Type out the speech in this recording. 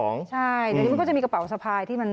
งั้นจะมีกระเป๋าสภาพ